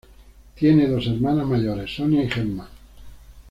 Tiene dos hermanas mayores, Sonia y Gemma.